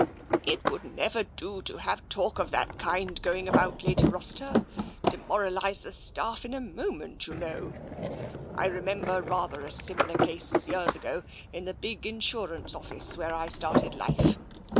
" It would never do to have talk of that kind going about. Lady Rossiter. Demoralise the staff in a mo ment, you know. I remember rather a similar case, years ago, in the big insurance oflfice where I started life.